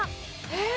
えっ。